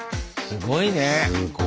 すごいね！